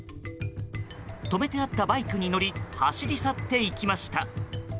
止めてあったバイクに乗り走り去っていきました。